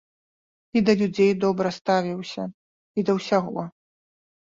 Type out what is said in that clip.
І да людзей добра ставіўся, і да ўсяго.